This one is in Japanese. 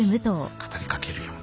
語りかけるように。